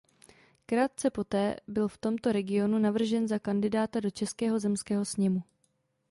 Krátce poté byl v tomto regionu navržen za kandidáta do Českého zemského sněmu.